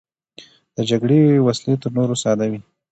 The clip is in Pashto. د جګړې وسلې تر نورو ساده وې.